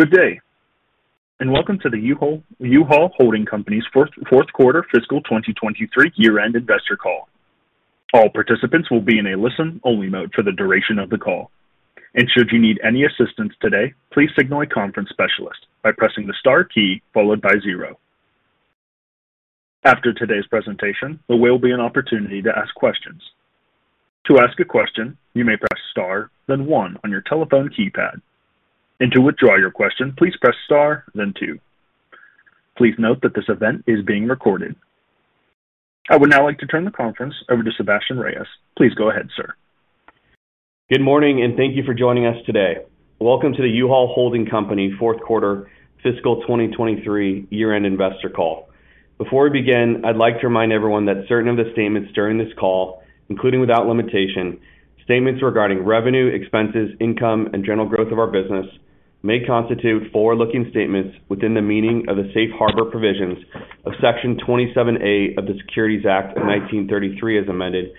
Good day, and welcome to the U-Haul Holding Company's Fourth Quarter Fiscal 2023 Year-end Investor Call. All participants will be in a listen-only mode for the duration of the call, and should you need any assistance today, please signal a conference specialist by pressing the star key followed by 0. After today's presentation, there will be an opportunity to ask questions. To ask a question, you may press Star, then one on your telephone keypad, and to withdraw your question, please press Star, then two. Please note that this event is being recorded. I would now like to turn the conference over to Sebastien Reyes. Please go ahead, sir. Good morning, and thank you for joining us today. Welcome to the U-Haul Holding Company Fourth Quarter Fiscal 2023 Year-end Investor Call. Before we begin, I'd like to remind everyone that certain of the statements during this call, including without limitation, statements regarding revenue, expenses, income, and general growth of our business, may constitute forward-looking statements within the meaning of the safe harbor provisions of Section 27A of the Securities Act of 1933, as amended,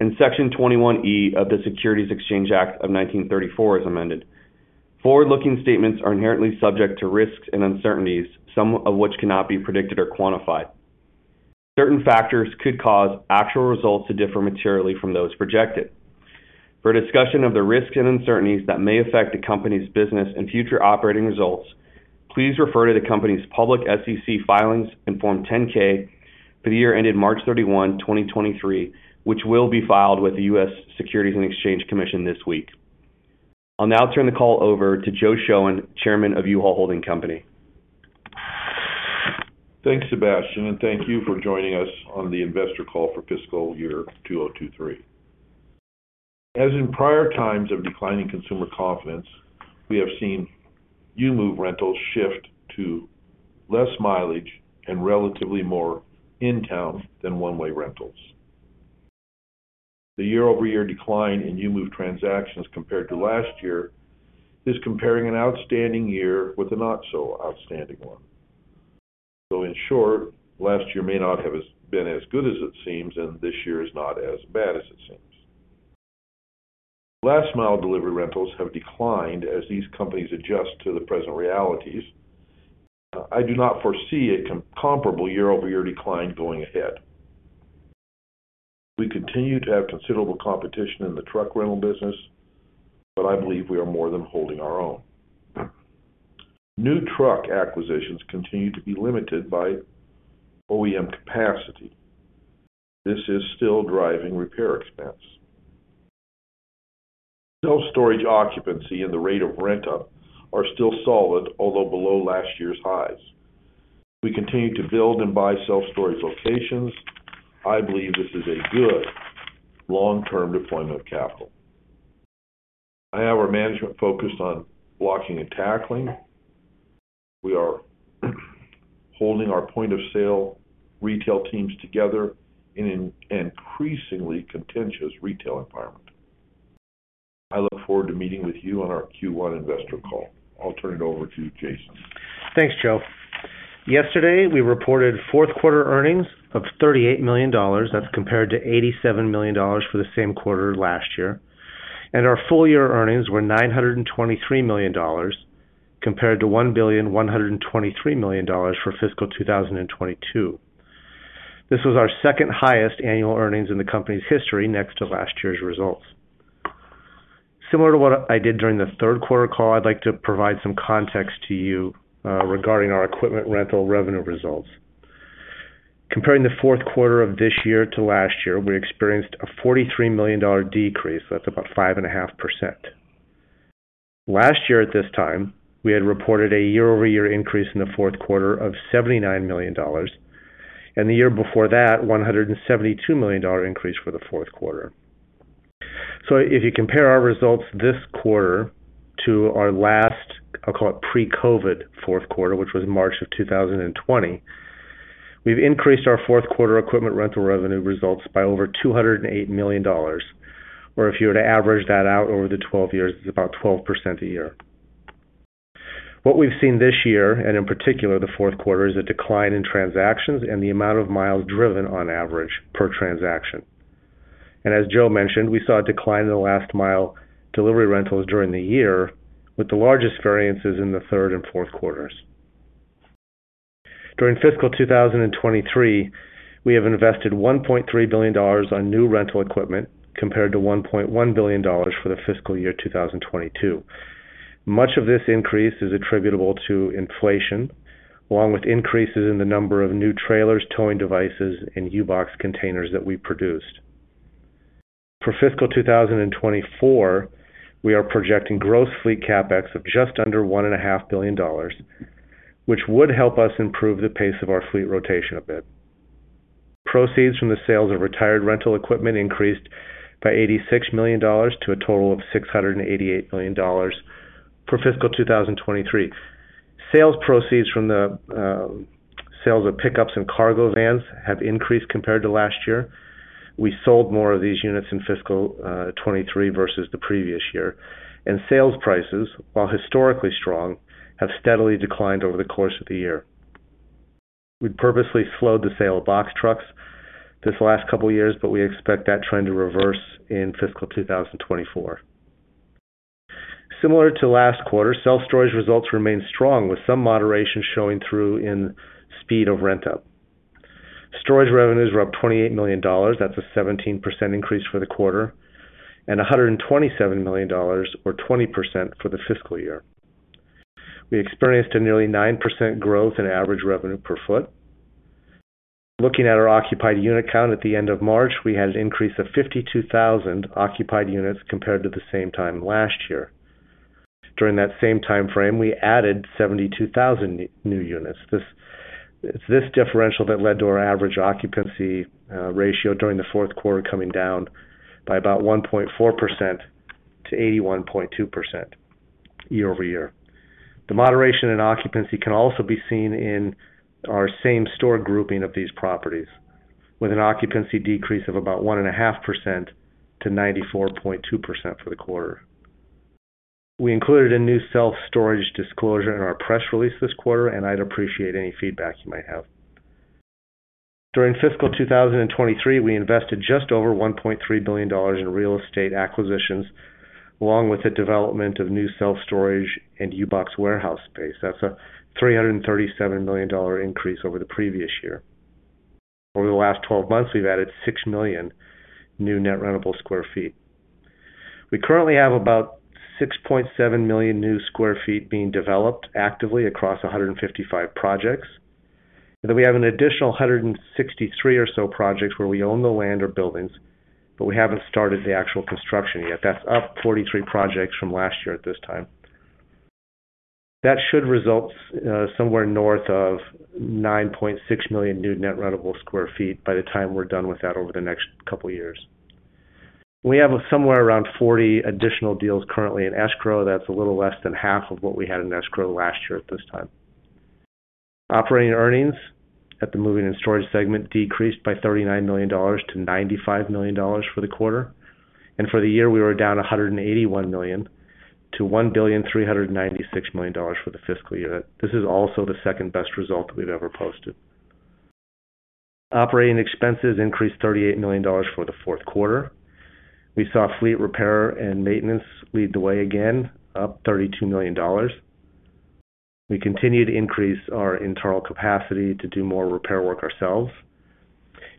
and Section 21E of the Securities Exchange Act of 1934, as amended. Forward-looking statements are inherently subject to risks and uncertainties, some of which cannot be predicted or quantified. Certain factors could cause actual results to differ materially from those projected. For a discussion of the risks and uncertainties that may affect the company's business and future operating results, please refer to the company's public SEC filings and Form 10-K for the year ended March 31, 2023, which will be filed with the U.S. Securities and Exchange Commission this week. I'll now turn the call over to Joe Shoen, Chairman of U-Haul Holding Company. Thanks, Sebastien. Thank you for joining us on the Investor Call for Fiscal Year 2023. As in prior times of declining consumer confidence, we have seen U-Move rentals shift to less mileage and relatively more in-town than one-way rentals. The year-over-year decline in U-Move transactions compared to last year is comparing an outstanding year with a not-so-outstanding one. In short, last year may not have been as good as it seems, and this year is not as bad as it seems. Last mile delivery rentals have declined as these companies adjust to the present realities. I do not foresee a comparable year-over-year decline going ahead. We continue to have considerable competition in the truck rental business. I believe we are more than holding our own. New truck acquisitions continue to be limited by OEM capacity. This is still driving repair expense. Self-storage occupancy and the rate of rent up are still solid, although below last year's highs. We continue to build and buy self-storage locations. I believe this is a good long-term deployment of capital. I have our management focused on blocking and tackling. We are holding our point-of-sale retail teams together in an increasingly contentious retail environment. I look forward to meeting with you on our Q1 investor call. I'll turn it over to Jason. Thanks, Joe. Yesterday, we reported fourth quarter earnings of $38 million. That's compared to $87 million for the same quarter last year, and our full year earnings were $923 million, compared to $1.123 billion for fiscal 2022. This was our second highest annual earnings in the company's history, next to last year's results. Similar to what I did during the third quarter call, I'd like to provide some context to you regarding our equipment rental revenue results. Comparing the fourth quarter of this year-to-last year, we experienced a $43 million decrease. That's about 5.5%. Last year, at this time, we had reported a year-over-year increase in the fourth quarter of $79 million, and the year before that, $172 million increase for the fourth quarter. If you compare our results this quarter to our last, I'll call it pre-COVID fourth quarter, which was March 2020, we've increased our fourth quarter equipment rental revenue results by over $208 million, or if you were to average that out over the 12 years, it's about 12% a year. What we've seen this year, and in particular the fourth quarter, is a decline in transactions and the amount of miles driven on average per transaction. As Joe mentioned, we saw a decline in the last mile delivery rentals during the year, with the largest variances in the third and fourth quarters. During fiscal 2023, we have invested $1.3 billion on new rental equipment, compared to $1.1 billion for the fiscal year 2022. Much of this increase is attributable to inflation, along with increases in the number of new trailers, towing devices, and U-Box containers that we produced. For fiscal 2024, we are projecting gross fleet CapEx of just under one and a half billion dollars, which would help us improve the pace of our fleet rotation a bit. Proceeds from the sales of retired rental equipment increased by $86 million to a total of $688 million for fiscal 2023. Sales proceeds from the sales of pickups and cargo vans have increased compared to last year. We sold more of these units in fiscal 2023 versus the previous year. Sales prices, while historically strong, have steadily declined over the course of the year. We purposely slowed the sale of box trucks this last couple of years, we expect that trend to reverse in fiscal 2024. Similar to last quarter, self-storage results remained strong, with some moderation showing through in speed of rent-up. Storage revenues were up $28 million. That's a 17% increase for the quarter, and $127 million, or 20% for the fiscal year. We experienced a nearly 9% growth in average revenue per foot. Looking at our occupied unit count at the end of March, we had an increase of 52,000 occupied units compared to the same time last year. During that same time frame, we added 72,000 new units. This, it's this differential that led to our average occupancy ratio during the fourth quarter, coming down by about 1.4%-81.2% year-over-year. The moderation in occupancy can also be seen in our same store grouping of these properties, with an occupancy decrease of about 1.5%-94.2% for the quarter. We included a new self-storage disclosure in our press release this quarter, and I'd appreciate any feedback you might have. During fiscal 2023, we invested just over $1.3 billion in real estate acquisitions, along with the development of new self-storage and U-Box warehouse space. That's a $337 million increase over the previous year. Over the last 12 months, we've added 6 million new net rentable sq ft. We currently have about 6.7 million new sq ft being developed actively across 155 projects, we have an additional 163 or so projects where we own the land or buildings, but we haven't started the actual construction yet. That's up 43 projects from last year at this time. That should result somewhere north of 9.6 million new net rentable sq ft by the time we're done with that over the next couple of years. We have somewhere around 40 additional deals currently in escrow. That's a little less than half of what we had in escrow last year at this time. Operating earnings at the moving and storage segment decreased by $39 million-$95 million for the quarter, and for the year, we were down $181 million-$1.396 billion for the fiscal year. This is also the second-best result we've ever posted. Operating expenses increased $38 million for the fourth quarter. We saw fleet repair and maintenance lead the way, again, up $32 million. We continue to increase our internal capacity to do more repair work ourselves.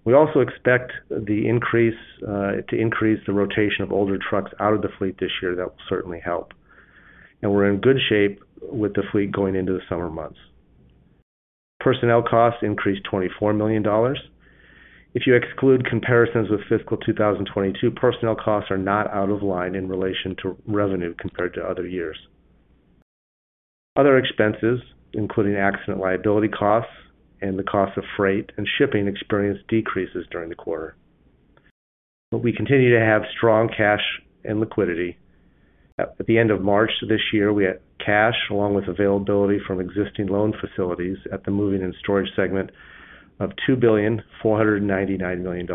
We also expect the increase to increase the rotation of older trucks out of the fleet this year. That will certainly help, and we're in good shape with the fleet going into the summer months. Personnel costs increased $24 million. If you exclude comparisons with fiscal 2022, personnel costs are not out of line in relation to revenue compared to other years. Other expenses, including accident liability costs and the cost of freight and shipping, experienced decreases during the quarter. We continue to have strong cash and liquidity. At the end of March this year, we had cash, along with availability from existing loan facilities at the moving and storage segment of $2.499 billion.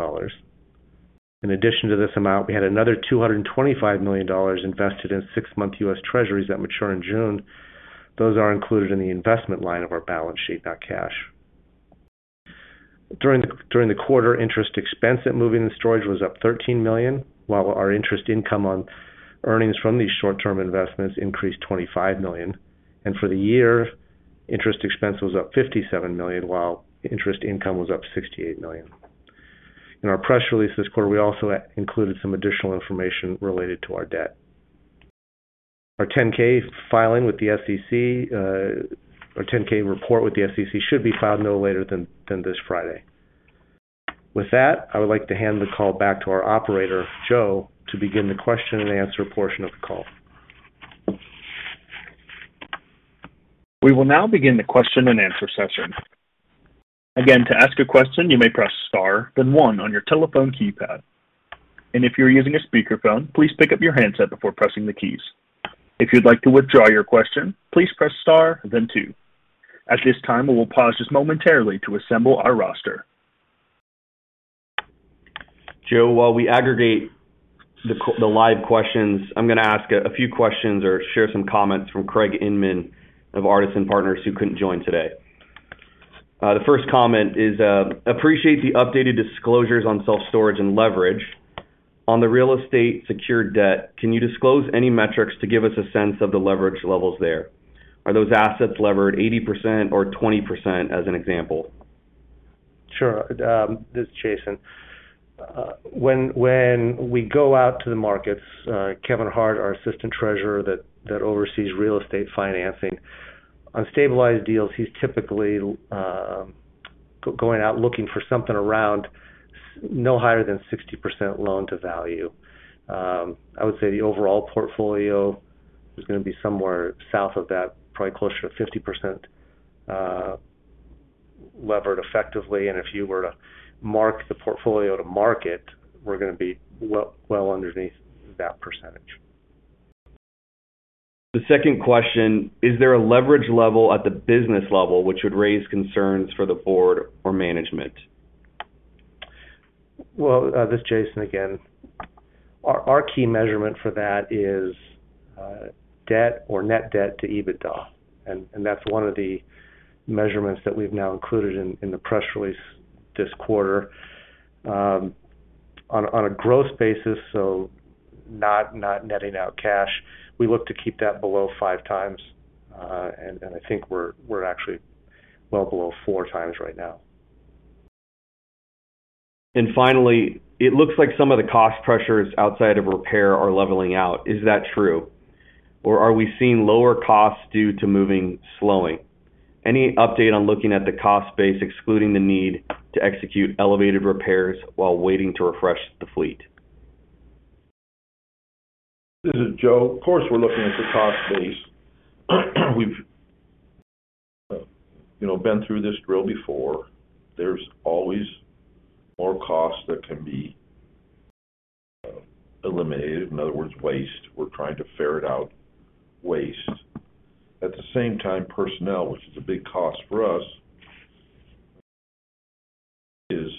In addition to this amount, we had another $225 million invested in six-month U.S. Treasuries that mature in June. Those are included in the investment line of our balance sheet, not cash. During the quarter, interest expense at moving and storage was up $13 million, while our interest income on earnings from these short-term investments increased $25 million. For the year, interest expense was up $57 million, while interest income was up $68 million. In our press release this quarter, we also included some additional information related to our debt. Our 10-K filing with the SEC, our 10-K report with the SEC should be filed no later than this Friday. With that, I would like to hand the call back to our operator, Joe, to begin the question and answer portion of the call. We will now begin the question-and-answer session. Again, to ask a question, you may press Star, then one on your telephone keypad, and if you're using a speakerphone, please pick up your handset before pressing the keys. If you'd like to withdraw your question, please press Star, then two. At this time, we will pause just momentarily to assemble our roster. Joe, while we aggregate the live questions, I'm going to ask a few questions or share some comments from Craig Inman of Artisan Partners, who couldn't join today. The first comment is, appreciate the updated disclosures on self-storage and leverage. On the real estate secured debt, can you disclose any metrics to give us a sense of the leverage levels there? Are those assets levered 80% or 20%, as an example? Sure. This is Jason. When we go out to the markets, Kevin Harte, our assistant treasurer, that oversees real estate financing. On stabilized deals, he's typically going out looking for something around no higher than 60% loan-to-value. I would say the overall portfolio is going to be somewhere south of that, probably closer to 50% levered effectively. If you were to mark the portfolio to market, we're going to be well underneath that percentage. The second question, is there a leverage level at the business level, which would raise concerns for the board or management? Well, this is Jason again. Our key measurement for that is debt or net debt to EBITDA, and that's one of the measurements that we've now included in the press release this quarter. On a gross basis, so not netting out cash, we look to keep that below 5 times, and I think we're actually well below 4 times right now. Finally, it looks like some of the cost pressures outside of repair are leveling out. Is that true? Or are we seeing lower costs due to moving slowing? Any update on looking at the cost base, excluding the need to execute elevated repairs while waiting to refresh the fleet? This is Joe. Of course, we're looking at the cost base. We've, you know, been through this drill before. There's always more costs that can be eliminated, in other words, waste. We're trying to ferret out waste. At the same time, personnel, which is a big cost for us, is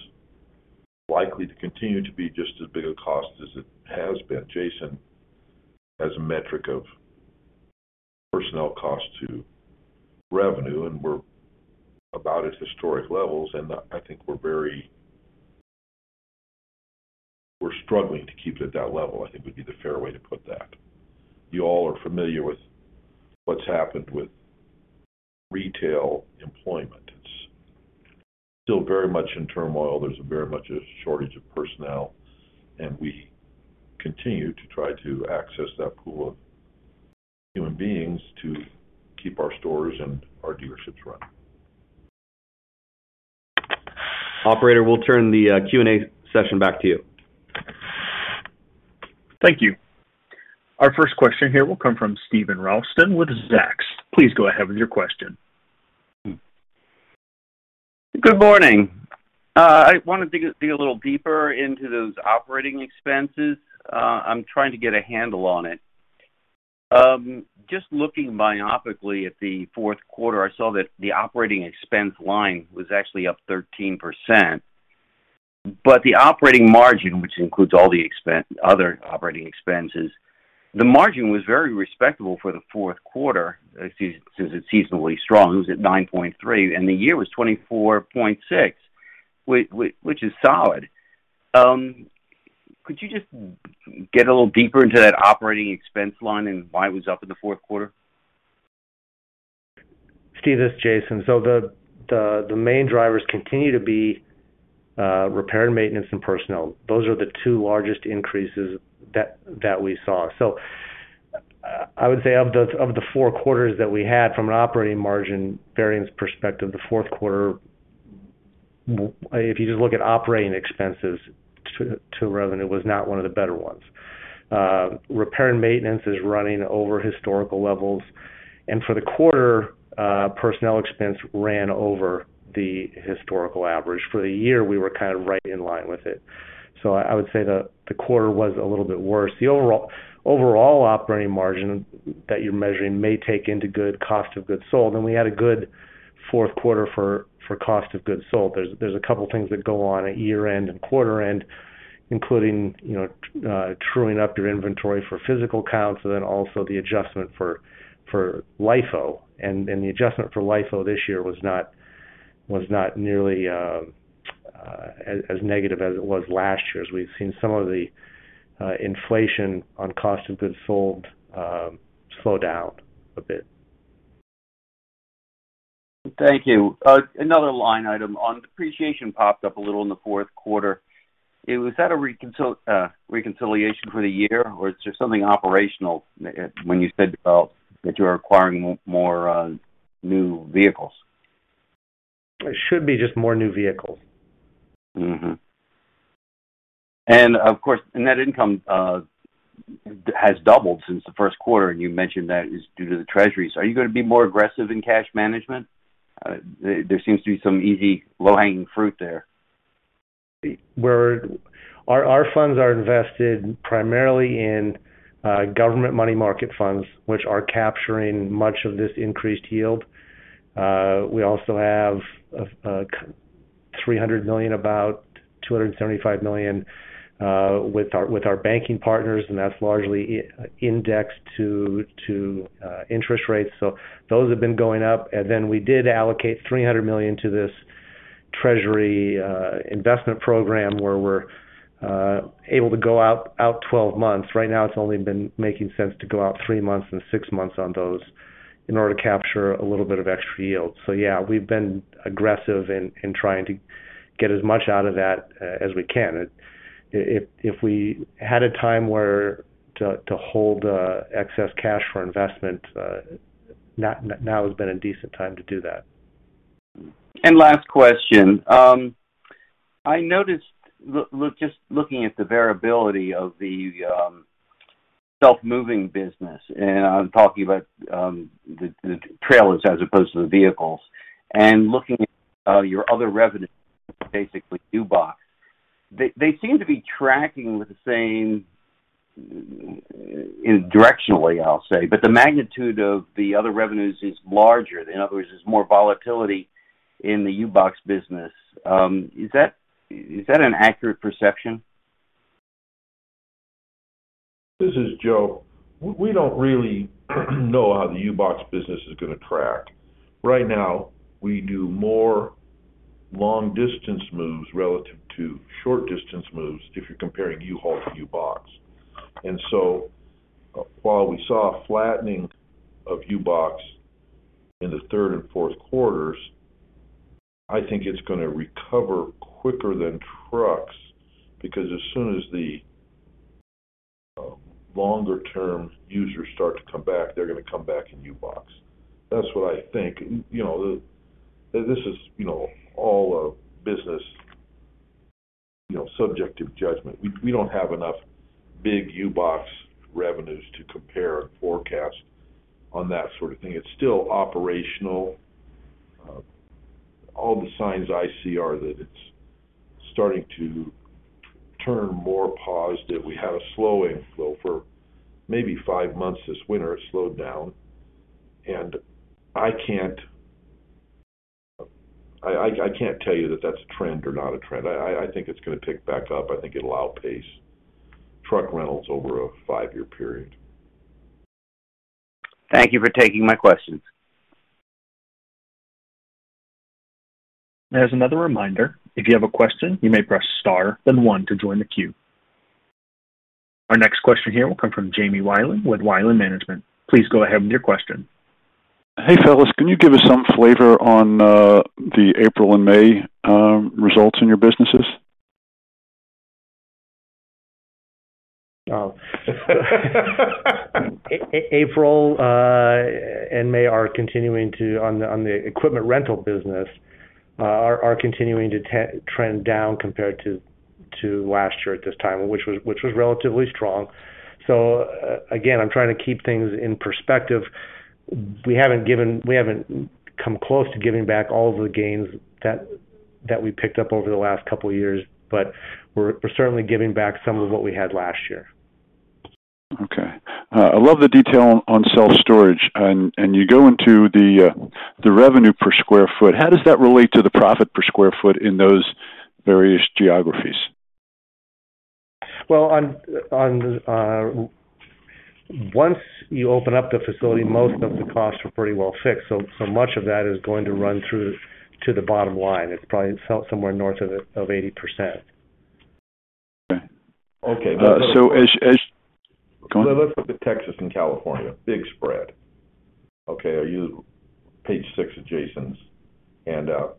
likely to continue to be just as big a cost as it has been. Jason has a metric of personnel cost to revenue, and we're about at historic levels, and I think we're struggling to keep it at that level, I think, would be the fair way to put that. You all are familiar with what's happened with retail employment. It's still very much in turmoil. There's very much a shortage of personnel, and we continue to try to access that pool of human beings to keep our stores and our dealerships running. Operator, we'll turn the Q&A session back to you. Thank you. Our first question here will come from Steven Ralston with Zacks. Please go ahead with your question. Good morning. I wanted to dig a little deeper into those operating expenses. I'm trying to get a handle on it. Just looking myopically at the fourth quarter, I saw that the operating expense line was actually up 13%. The operating margin, which includes all the other operating expenses, the margin was very respectable for the fourth quarter, since it's seasonally strong, it was at 9.3%, and the year was 24.6%, which is solid. Could you just get a little deeper into that operating expense line and why it was up in the fourth quarter? Steve, this is Jason. The main drivers continue to be repair and maintenance and personnel. Those are the 2 largest increases that we saw. I would say of the 4 quarters that we had from an operating margin variance perspective, the fourth quarter, if you just look at operating expenses to revenue, was not one of the better ones. Repair and maintenance is running over historical levels, and for the quarter, personnel expense ran over the historical average. For the year, we were kind of right in line with it. I would say the quarter was a little bit worse. The overall operating margin that you're measuring may take into good cost of goods sold, and we had a good fourth quarter for cost of goods sold. There's a couple of things that go on at year-end and quarter end, including, you know, truing up your inventory for physical count, also the adjustment for LIFO. The adjustment for LIFO this year was not nearly as negative as it was last year, as we've seen some of the inflation on cost of goods sold slow down a bit. Thank you. another line item on depreciation popped up a little in the fourth quarter. Was that a reconciliation for the year, or is there something operational when you said about that you are acquiring more new vehicles? It should be just more new vehicles. Of course, net income, has doubled since the first quarter, and you mentioned that is due to the U.S. Treasuries. Are you going to be more aggressive in cash management? There seems to be some easy low-hanging fruit there. Our funds are invested primarily in government money market funds, which are capturing much of this increased yield. We also have $300 million, about $275 million, with our banking partners, that's largely indexed to interest rates. Those have been going up. We did allocate $300 million to this Treasury investment program, where we're able to go out 12 months. Right now, it's only been making sense to go out 3 months and 6 months on those in order to capture a little bit of extra yield. Yeah, we've been aggressive in trying to get as much out of that as we can. If we had a time where to hold excess cash for investment, now has been a decent time to do that. Last question. I noticed just looking at the variability of the self-moving business, and I'm talking about the trailers as opposed to the vehicles, and looking at your other revenue, basically U-Box. They seem to be tracking with the same-... directionally, I'll say, but the magnitude of the other revenues is larger. In other words, there's more volatility in the U-Box business. Is that an accurate perception? This is Joe. We don't really know how the U-Box business is going to track. Right now, we do more long-distance moves relative to short-distance moves if you're comparing U-Haul to U-Box. While we saw a flattening of U-Box in the third and fourth quarters, I think it's going to recover quicker than trucks because as soon as the longer-term users start to come back, they're going to come back in U-Box. That's what I think. You know, this is, you know, all a business, you know, subjective judgment. We don't have enough big U-Box revenues to compare and forecast on that sort of thing. It's still operational. All the signs I see are that it's starting to turn more positive. We had a slowing flow for maybe 5 months this winter. It slowed down, and I can't tell you that that's a trend or not a trend. I think it's going to pick back up. I think it'll outpace truck rentals over a five-year period. Thank you for taking my questions. As another reminder, if you have a question, you may press Star, then one to join the queue. Our next question here will come from Jamie Wilen with Wilen Management. Please go ahead with your question. Hey, fellas, can you give us some flavor on the April and May results in your businesses? April and May are continuing to, on the equipment rental business, are continuing to trend down compared to last year at this time, which was relatively strong. Again, I'm trying to keep things in perspective. We haven't come close to giving back all of the gains that we picked up over the last couple of years, but we're certainly giving back some of what we had last year. Okay. I love the detail on self-storage, and you go into the revenue per square foot. How does that relate to the profit per square foot in those various geographies? On, once you open up the facility, most of the costs are pretty well fixed, so much of that is going to run through to the bottom line. It's probably somewhere north of 80%. Okay. Okay. Go on. Let's look at Texas and California. Big spread. Okay, I use page 6 of Jason's, $1,439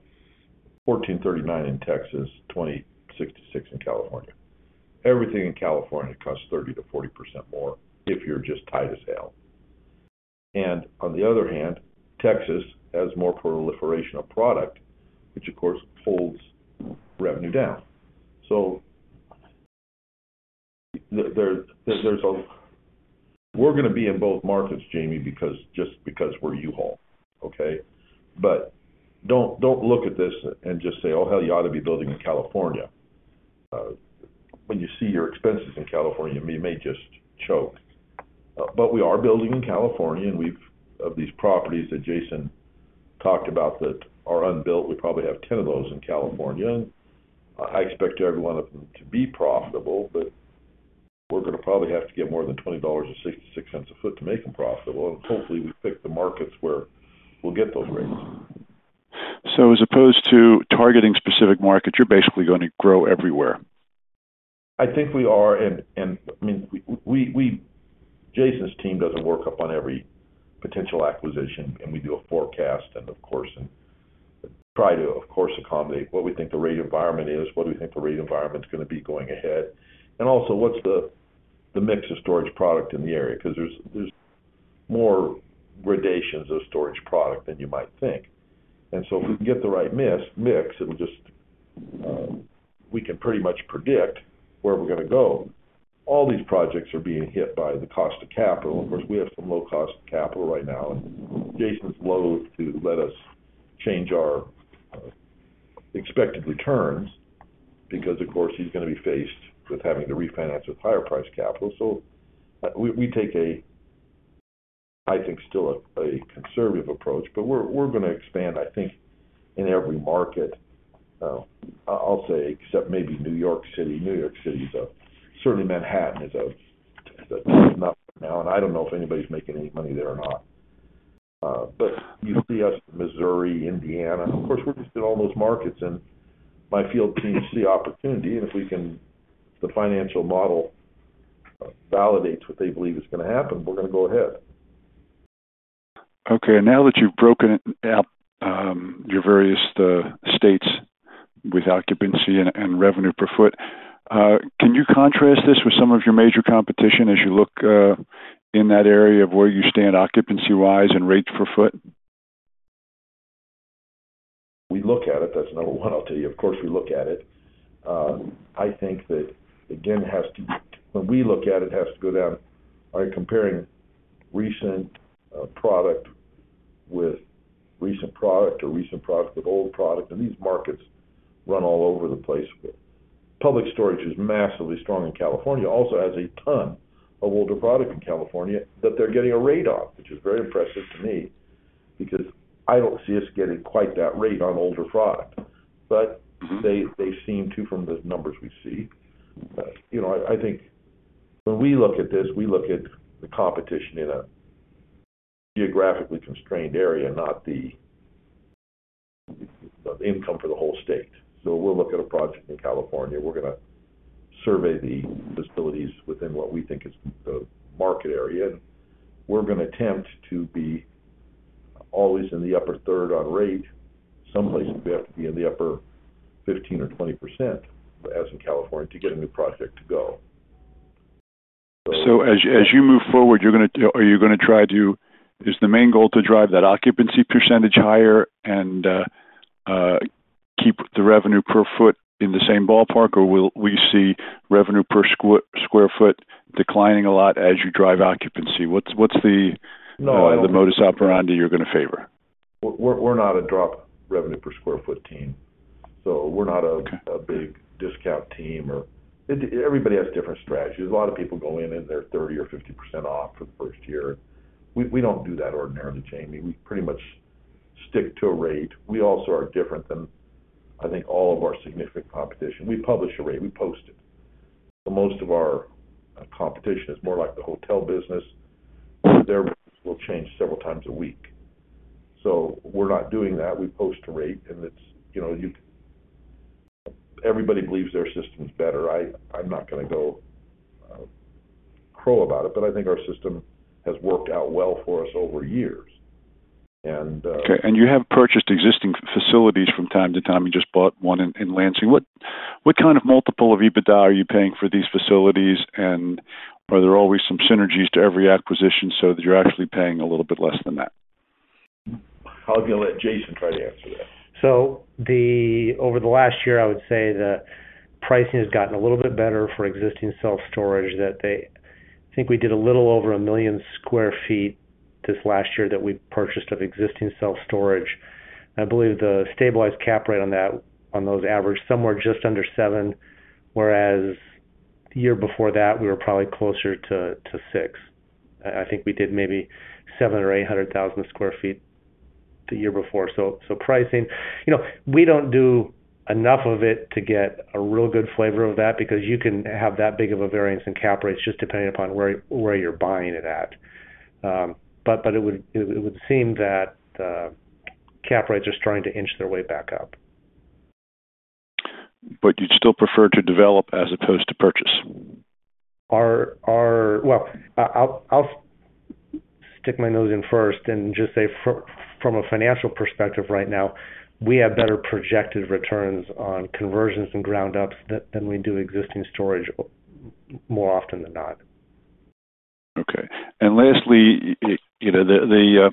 in Texas, $2,066 in California. Everything in California costs 30%-40% more if you're just tied to sale. On the other hand, Texas has more proliferation of product, which, of course, pulls revenue down. We're going to be in both markets, Jamie, because, just because we're U-Haul, okay? Don't look at this and just say, "Oh, hell, you ought to be building in California." When you see your expenses in California, you may just choke. We are building in California, and we've of these properties that Jason talked about that are unbuilt, we probably have 10 of those in California. I expect every one of them to be profitable, but we're going to probably have to get more than $20.66 a foot to make them profitable, and hopefully, we pick the markets where we'll get those rates. As opposed to targeting specific markets, you're basically going to grow everywhere? I think we are, and, I mean, we Jason's team does a workup on every potential acquisition, and we do a forecast and, of course, and try to, of course, accommodate what we think the rate environment is, what do we think the rate environment is going to be going ahead, and also, what's the mix of storage product in the area? Because there's more gradations of storage product than you might think. If we can get the right mix, it'll just, we can pretty much predict where we're going to go. All these projects are being hit by the cost of capital. Of course, we have some low cost of capital right now, and Jason's loath to let us change our expected returns because, of course, he's going to be faced with having to refinance with higher priced capital. We take a, I think, still a conservative approach, but we're going to expand, I think, in every market, I'll say, except maybe New York City. Certainly Manhattan is a not right now, and I don't know if anybody's making any money there or not. You see us in Missouri, Indiana. Of course, we're just in all those markets, and my field team see opportunity, and if we can, the financial model validates what they believe is going to happen, we're going to go ahead. Now that you've broken it out, your various states with occupancy and revenue per foot, can you contrast this with some of your major competition as you look in that area of where you stand occupancy-wise and rate per foot? We look at it. That's number one, I'll tell you. Of course, we look at it. I think that, again, it has to-- when we look at it has to go down by comparing recent, product-... with recent product or recent product with old product, and these markets run all over the place with. Public Storage is massively strong in California, also has a ton of older product in California that they're getting a rate off, which is very impressive to me because I don't see us getting quite that rate on older product. They seem to, from the numbers we see. You know, I think when we look at this, we look at the competition in a geographically constrained area, not the income for the whole state. We'll look at a project in California. We're gonna survey the facilities within what we think is the market area, and we're gonna attempt to be always in the upper third on rate. Some places, we have to be in the upper 15% or 20%, as in California, to get a new project to go. As you move forward, is the main goal to drive that occupancy % higher and keep the revenue per foot in the same ballpark? Or will we see revenue per square foot declining a lot as you drive occupancy? No. The modus operandi you're gonna favor? We're not a drop revenue per square foot team. Okay a big discount team or. Everybody has different strategies. A lot of people go in and they're 30% or 50% off for the first year. We don't do that ordinarily, Jamie. We pretty much stick to a rate. We also are different than, I think, all of our significant competition. We publish a rate, we post it. Most of our competition is more like the hotel business. Their rates will change several times a week. We're not doing that. We post a rate and it's, you know, you. Everybody believes their system is better. I'm not gonna go crow about it, but I think our system has worked out well for us over years, and. Okay, you have purchased existing facilities from time to time. You just bought one in Lansing. What kind of multiple of EBITDA are you paying for these facilities? Are there always some synergies to every acquisition so that you're actually paying a little bit less than that? I'm gonna let Jason try to answer that. Over the last year, I would say the pricing has gotten a little bit better for existing self-storage. I think we did a little over 1 million sq ft this last year that we purchased of existing self-storage. I believe the stabilized cap rate on that, on those averaged somewhere just under 7, whereas the year before that, we were probably closer to 6. I think we did maybe 700,000 or 800,000 sq ft the year before. You know, we don't do enough of it to get a real good flavor of that because you can have that big of a variance in cap rates just depending upon where you're buying it at. It would seem that cap rates are starting to inch their way back up. You'd still prefer to develop as opposed to purchase? Well, I'll stick my nose in first and just say, from a financial perspective right now, we have better projected returns on conversions and ground ups than we do existing storage more often than not. Okay. Lastly, you know, the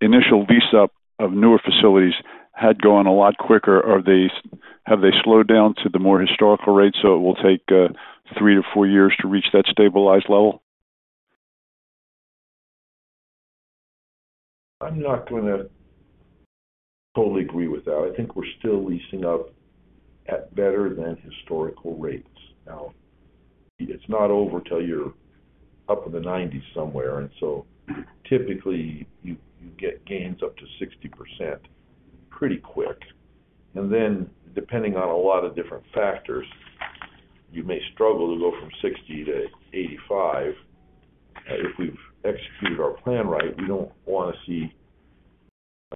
initial lease-up of newer facilities had gone a lot quicker. Have they slowed down to the more historical rates, so it will take 3-4 years to reach that stabilized level? I'm not gonna totally agree with that. I think we're still leasing up at better than historical rates. Now, it's not over till you're up in the 90s somewhere, typically, you get gains up to 60% pretty quick. Depending on a lot of different factors, you may struggle to go from 60 to 85. If we've executed our plan right, we don't want to see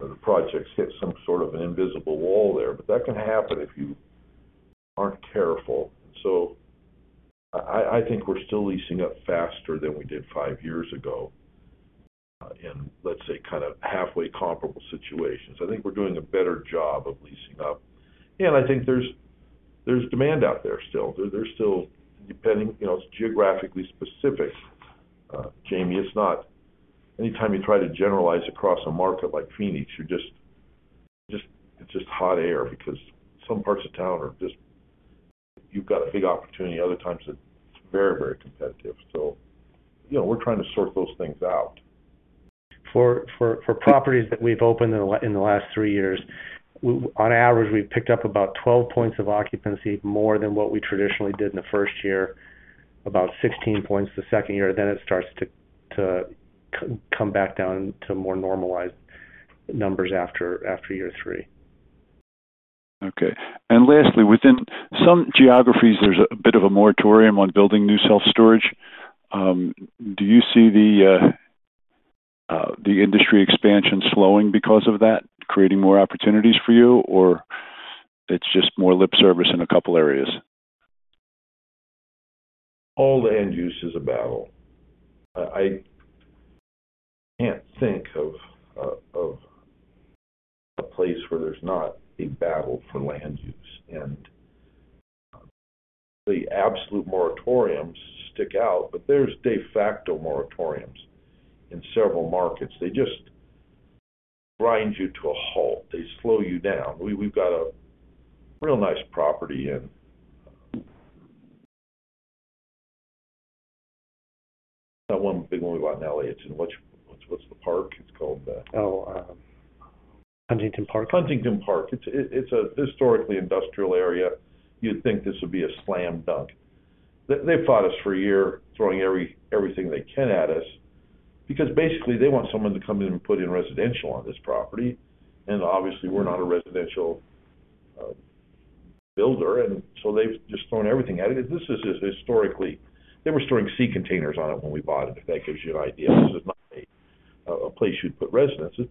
the projects hit some sort of an invisible wall there, but that can happen if you aren't careful. I think we're still leasing up faster than we did 5 years ago, in, let's say, kind of halfway comparable situations. I think we're doing a better job of leasing up, and I think there's demand out there still. Depending, you know, it's geographically specific, Jamie. Anytime you try to generalize across a market like Phoenix, you're just, it's just hot air because some parts of town are just. You've got a big opportunity, other times it's very, very competitive. You know, we're trying to sort those things out. For properties that we've opened in the last 3 years, on average, we've picked up about 12 points of occupancy, more than what we traditionally did in the 1st year, about 16 points the 2nd year. It starts to come back down to more normalized numbers after year 3. Okay. Lastly, within some geographies, there's a bit of a moratorium on building new self-storage. Do you see the industry expansion slowing because of that, creating more opportunities for you, or it's just more lip service in a couple of areas? All land use is a battle. I can't think of a place where there's not a battle for land use, and the absolute moratoriums stick out, but there's de facto moratoriums in several markets. They just grind you to a halt. They slow you down. We've got a real nice property in That one big one we bought in L.A., it's in, what's the park? It's called. Huntington Park. Huntington Park. It's a historically industrial area. You'd think this would be a slam dunk. They fought us for a year, throwing everything they can at us, because basically they want someone to come in and put in residential on this property, and obviously, we're not a residential builder, and so they've just thrown everything at it. This is just historically. They were storing sea containers on it when we bought it, if that gives you an idea. This is not a place you'd put residences,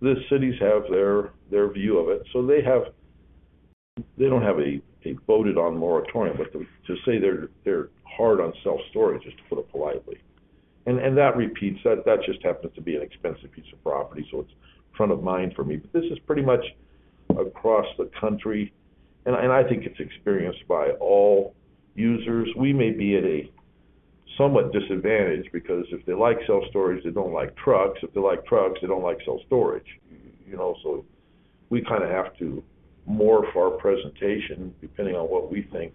but the cities have their view of it, so they don't have a voted-on moratorium, but to say they're hard on self-storage, just to put it politely. That repeats. That just happens to be an expensive piece of property, so it's front of mind for me. This is pretty much across the country, and I think it's experienced by all users. We may be at a somewhat disadvantage because if they like self-storage, they don't like trucks. If they like trucks, they don't like self-storage. You know, so we kind of have to morph our presentation depending on what we think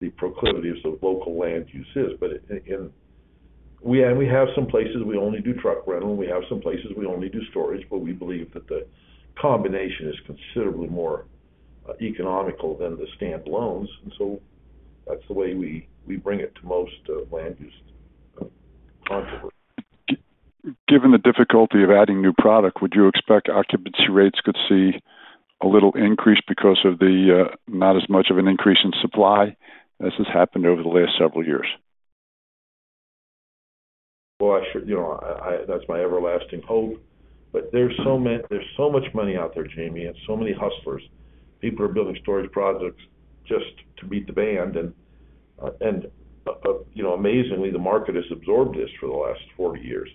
the proclivities of local land use is. In, we, and we have some places we only do truck rental, and we have some places we only do storage, but we believe that the combination is considerably more economical than the standalones. That's the way we bring it to most land use customers. given the difficulty of adding new product, would you expect occupancy rates could see a little increase because of the not as much of an increase in supply as has happened over the last several years? I should. You know, I, that's my everlasting hope. There's so much money out there, Jamie, and so many hustlers. People are building storage projects just to beat the band, you know, amazingly, the market has absorbed this for the last 40 years.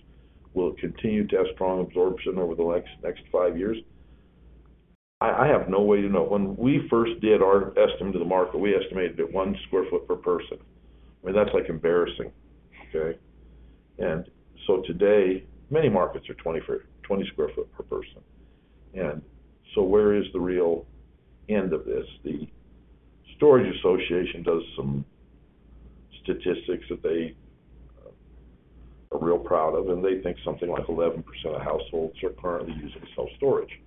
Will it continue to have strong absorption over the next 5 years? I have no way to know. When we first did our estimate of the market, we estimated at 1 square foot per person. I mean, that's, like, embarrassing, okay? Today, many markets are 20 square foot per person. Where is the real end of this? The Self Storage Association does some statistics that they are real proud of, and they think something like 11% of households are currently using self-storage.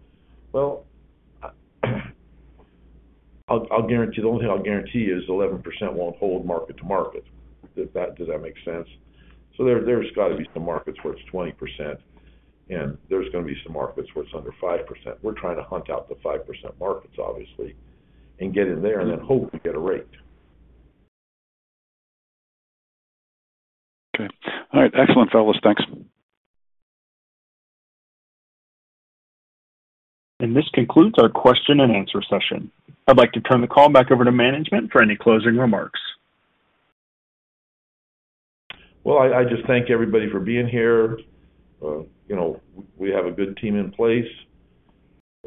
I'll guarantee... The only thing I'll guarantee is 11% won't hold market to market. Does that make sense? There's got to be some markets where it's 20%, and there's gonna be some markets where it's under 5%. We're trying to hunt out the 5% markets, obviously, and get in there and then hope we get it right. Okay. All right. Excellent, fellows. Thanks. This concludes our question and answer session. I'd like to turn the call back over to management for any closing remarks. Well, I just thank everybody for being here. you know, we have a good team in place.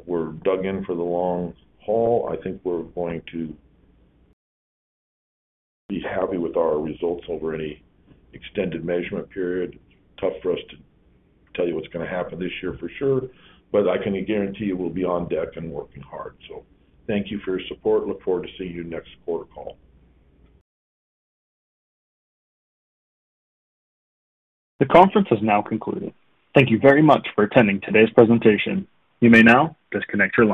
We're dug in for the long haul. I think we're going to be happy with our results over any extended measurement period. Tough for us to tell you what's going to happen this year for sure. I can guarantee you we'll be on deck and working hard. Thank you for your support. Look forward to seeing you next quarter call. The conference has now concluded. Thank you very much for attending today's presentation. You may now disconnect your line.